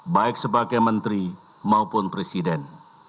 baik sebagai menteri maupun presiden